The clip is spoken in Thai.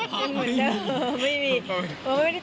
กินเหมือนเดิมไม่มี